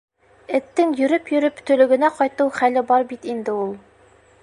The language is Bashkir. Эттең йөрөп-йөрөп төлөгөнә кайтыу хәле бар бит инде ул...